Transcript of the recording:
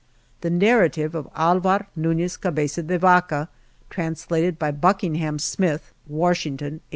The Narrative of Alva Nunez Cabeza de Vaca*, translated by Buckingham Smith, Washington, 1851.